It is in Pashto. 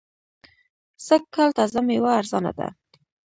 سږ کال تازه مېوه ارزانه ده.